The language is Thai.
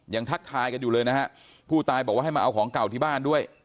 ทักทายกันอยู่เลยนะฮะผู้ตายบอกว่าให้มาเอาของเก่าที่บ้านด้วย